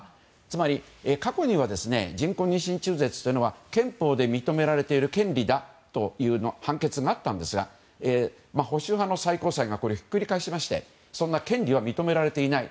つまり、過去には人工妊娠中絶というのは憲法で認められている権利だという判決があったんですが保守派の最高裁がこれをひっくり返しましてそんな権利は認められていない。